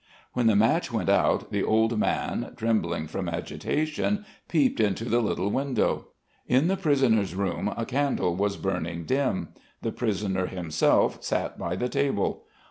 When the match went out, the old man, trembling from agitation, peeped into the little window. In the prisoner's room a candle was burning dim. The prisoner himself sat by the table.